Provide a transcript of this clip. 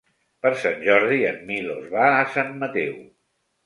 Per Sant Jordi en Milos va a Sant Mateu.